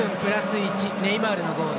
ネイマールのゴール。